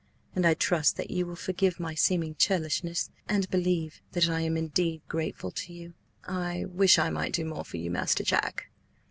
And I trust that you will forgive my seeming churlishness and believe that I am indeed grateful to you." "I wish I might do more for you, Master Jack!"